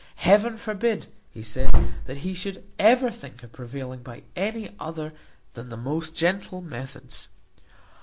Heaven forbid, he said, that he should ever think of prevailing by any other than the most gentle methods!